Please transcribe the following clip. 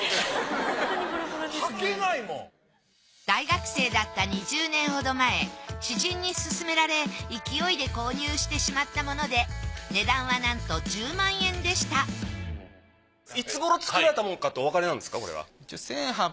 大学生だった２０年ほど前知人に勧められ勢いで購入してしまったもので値段はなんと１０万円でしたいつごろ作られたものかっておわかりなんですか？